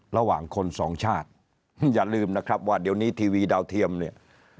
ระหว่างคนสองชาติอย่าลืมนะครับว่าเดี๋ยวนี้ทีวีดาวเทียมเนี่ย